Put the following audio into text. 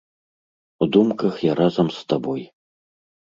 У думках я разам з табой.